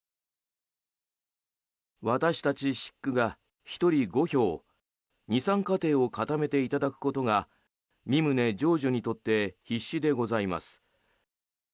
私たち食口が１人５票２３家庭を固めていただくことがみ旨成就にとって必至でございます。